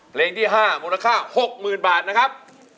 เพลงที่๕มูลค่า๖๐๐๐บาทนะครับ